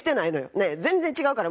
ねえ全然違うから。